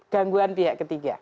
gangguan pihak ketiga